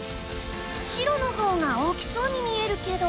白の方が大きそうに見えるけど。